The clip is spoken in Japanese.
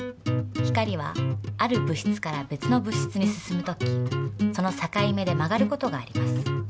光はある物質から別の物質に進む時そのさかい目で曲がる事があります。